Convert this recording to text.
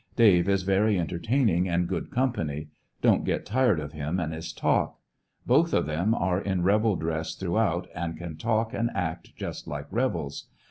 Dave is very entertaining and good company. Don't get tired of him and his talk. Both of them are in rebel dress throughout, and can talk and act just like rebels.